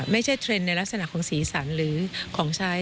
เทรนด์ในลักษณะของสีสันหรือของใช้